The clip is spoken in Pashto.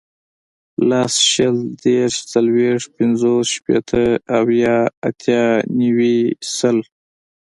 لس, شل, دېرس, څلوېښت, پنځوس, شپېته, اویا, اتیا, نوي, سل